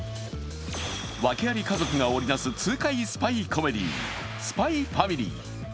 訳あり家族が織りなす痛快スパイコメディ「ＳＰＹ×ＦＡＭＩＬＹ」。